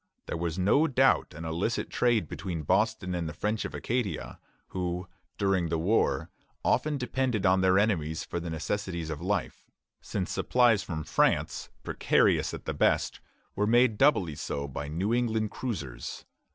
There was no doubt an illicit trade between Boston and the French of Acadia, who during the war often depended on their enemies for the necessaries of life, since supplies from France, precarious at the best, were made doubly so by New England cruisers.